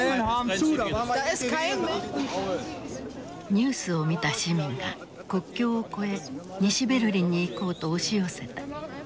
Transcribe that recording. ニュースを見た市民が国境を越え西ベルリンに行こうと押し寄せた。